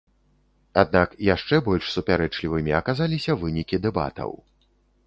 Аднак яшчэ больш супярэчлівымі аказаліся вынікі дэбатаў.